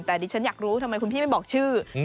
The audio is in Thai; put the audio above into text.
แต่ดิฉันอยากรู้ทำไมคุณพี่ไม่บอกชื่อ